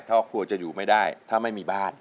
ครอบครัวจะอยู่ไม่ได้ถ้าไม่มีบ้าน